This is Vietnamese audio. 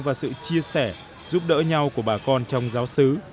và sự chia sẻ giúp đỡ nhau của bà con trong giáo sứ